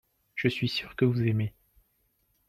je suis sûr que vous aimez.